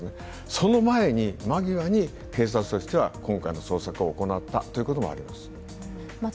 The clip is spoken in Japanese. その前に、間際に警察としては今回の捜索を行ったということだと思います。